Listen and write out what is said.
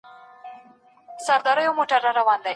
په څپو او په موجونو کي ورکیږي